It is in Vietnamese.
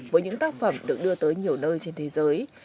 với những tác phẩm được đưa tới nhiều nơi trên thế giới